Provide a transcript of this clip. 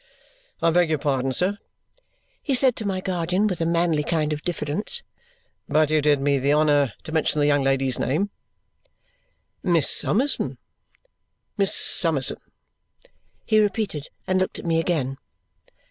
"I beg your pardon, sir," he said to my guardian with a manly kind of diffidence, "but you did me the honour to mention the young lady's name " "Miss Summerson." "Miss Summerson," he repeated, and looked at me again.